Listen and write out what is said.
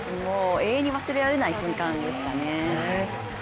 永遠に忘れられない瞬間ですかね。